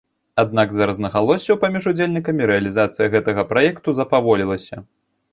Аднак з-за рознагалоссяў паміж удзельнікамі рэалізацыя гэтага праекту запаволілася.